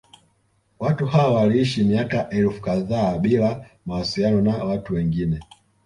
Watu hao waliishi miaka elfu kadhaa bila mawasiliano na watu wengine